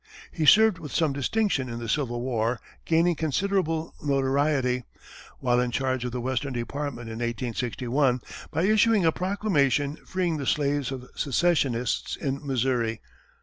He served with some distinction in the Civil War, gaining considerable notoriety, while in charge of the Western Department in 1861, by issuing a proclamation freeing the slaves of secessionists in Missouri.